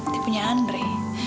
dia punya andre